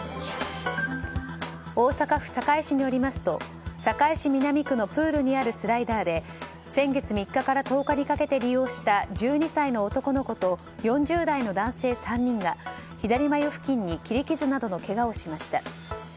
大阪府堺市によりますと堺市南区のプールにあるスライダーで先月３日から１０日にかけて利用した１２歳の男の子と４０代の男性３人が左眉付近に切り傷などのけがをしました。